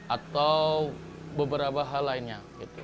atau beberapa hal lainnya